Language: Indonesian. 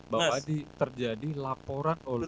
bapak terjadi laporan oleh